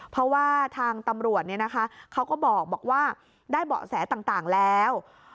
เพราะว่าทางตำรวจเขาก็บอกว่าได้เบาะแสต่างแล้ว